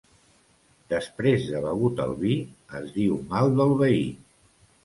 Després de begut el vi, es diu mal del veí.